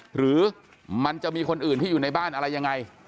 หรือมันจะมีคนอื่นที่อยู่ในบ้านอะไรยังไง